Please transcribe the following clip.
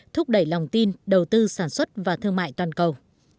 thúc đẩy lòng tin đầu tư sản xuất và thương mại toàn cầu